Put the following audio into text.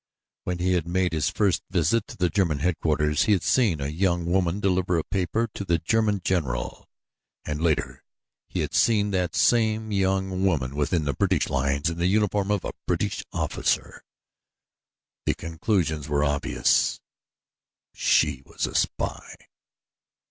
When he had made his first visit to German headquarters, he had seen a young woman deliver a paper to the German general, and later he had seen that same young woman within the British lines in the uniform of a British officer. The conclusions were obvious she was a spy.